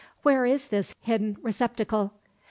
Where is this hidden receptacle?"